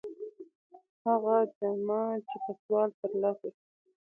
هغه جامه چې په سوال تر لاسه شي.